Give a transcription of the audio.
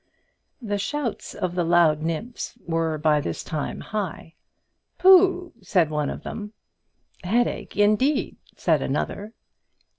The shouts of the loud nymphs were by this time high. "Pooh!" said one of them. "Headache indeed!" said another.